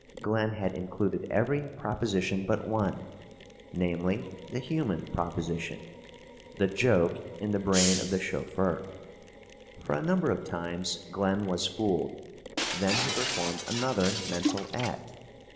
Glen had included every proposition but one, namely, the human proposition, the joke in the brain of the chauffeur. For a number of times Glen was fooled. Then he performed another mental act.